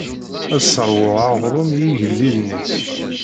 Ad sseṛwuɣ aɣrum i yigellilen-is.